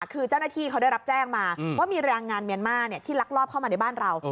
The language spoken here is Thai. คือเจ้าหน้าที่เขาได้รับแจ้งมาว่ามีแรงงานเมียนมาที่ลักลอบเข้ามาในบ้านเรา